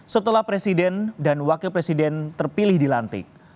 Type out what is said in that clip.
setelah presiden dan wakil presiden terpilih dilantik